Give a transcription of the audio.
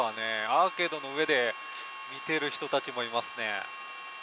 アーケードの上で見ている人たちもいますね。